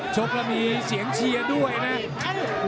โชคมีเสียงเชียร์ด้วยเนี่ย